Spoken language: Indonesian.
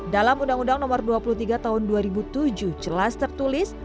dalam uu no dua puluh tiga tahun dua ribu tujuh jelas tertulis